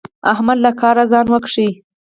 احمد له کاره ځان وکيښ.